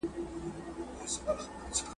چي پر قام خدای مهربان سي نو سړی پکښي پیدا کړي `